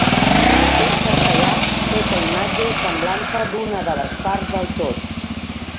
És castellà, fet a imatge i semblança d'una de les parts del tot.